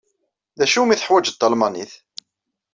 D acu umi teḥwajeḍ talmanit?